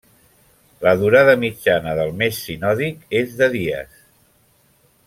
La durada mitjana del mes sinòdic és de dies.